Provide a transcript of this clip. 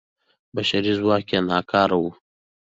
بشري ځواک یې ناکاره و.